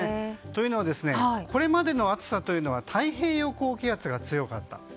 というのは、これまでの暑さは太平洋高気圧が強かった。